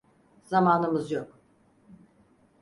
Zamanımız yok.